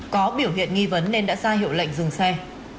có biểu hiện nghi vấn nên đã ra hiệu lệnh dừng xe